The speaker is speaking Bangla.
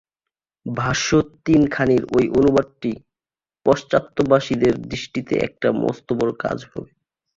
ভাষ্য তিনখানির ঐ অনুবাদটি পাশ্চাত্যবাসীদের দৃষ্টিতে একটা মস্ত বড় কাজ হবে।